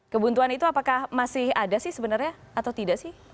kebuntuan itu apakah masih ada sih sebenarnya atau tidak sih